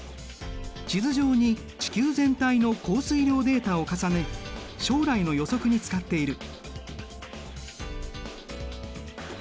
地図上に地球全体の降水量データを重ね将来の予測に使っている。